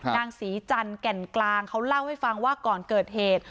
นางศรีจันทร์แก่นกลางเขาเล่าให้ฟังว่าก่อนเกิดเหตุ